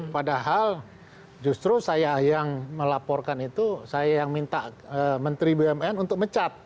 padahal justru saya yang melaporkan itu saya yang minta menteri bumn untuk mecat